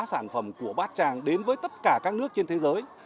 sản phẩm của bát tràng đến với tất cả các nước trên thế giới